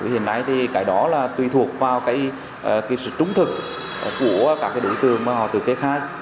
hiện nay thì cái đó là tùy thuộc vào sự trung thực của các đối tượng mà họ tự kê khai